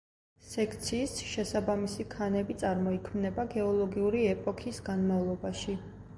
სექციის შესაბამისი ქანები წარმოიქმნება გეოლოგიური ეპოქის განმავლობაში.